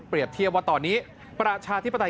เทียบว่าตอนนี้ประชาธิปไตย